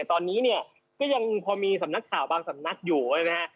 ตอนนี้ก็ยังพอมีสำนักข่าวบางสำนักอยู่